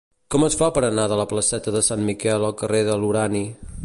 Com es fa per anar de la placeta de Sant Miquel al carrer de l'Urani?